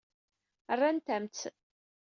Rrant-am-tt.